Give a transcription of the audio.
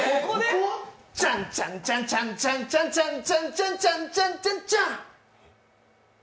チャンチャンチャチャンチャンチャチャンチャンチャチャンチャンチャチャン！